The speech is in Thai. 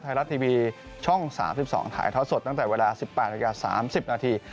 ไทยรัฐทีวีช่อง๓๒ถ่ายท้อสดตั้งแต่๑๘๓๐นาที